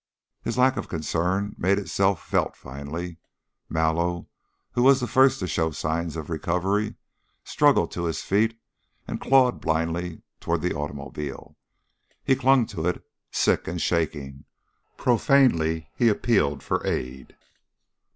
His lack of concern made itself felt finally. Mallow, who was the first to show signs of recovery, struggled to his feet and clawed blindly toward the automobile. He clung to it, sick and shaking; profanely he appealed for aid.